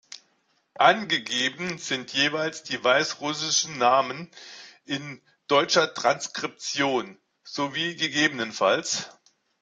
Angegeben sind jeweils die weißrussischen Namen in deutscher Transkription, sowie ggf.